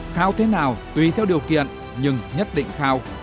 khao thế nào tùy theo điều kiện nhưng nhất định khao